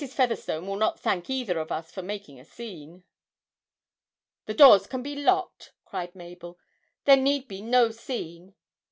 Featherstone will not thank either of us for making a scene.' 'The doors can be locked,' cried Mabel. 'There need be no scene.